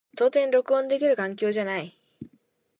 到底録音できる環境ではない。